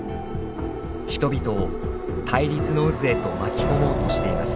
人々を対立の渦へと巻き込もうとしています。